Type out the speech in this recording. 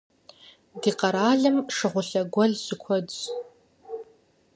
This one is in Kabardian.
Ди къэралым шыгъулъэ гуэл щыкуэдщ.